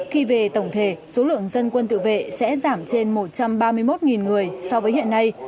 khi về tổng thể số lượng dân quân tự vệ sẽ giảm trên một trăm ba mươi một người so với hiện nay